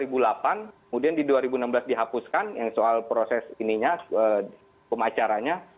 kemudian di dua ribu enam belas dihapuskan yang soal proses ininya pemacaranya